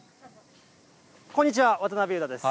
こんにちは、渡辺裕太です。